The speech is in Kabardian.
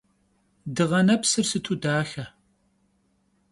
Dığenepsır sıtu daxe!